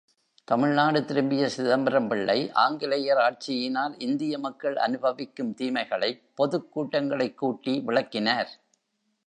தமிழ்நாடு திரும்பிய சிதம்பரம் பிள்ளை, ஆங்கிலேயர் ஆட்சியினால் இந்திய மக்கள் அனுபவிக்கும் தீமைகளைப் பொதுக் கூட்டங்களைக் கூட்டி விளக்கினார்.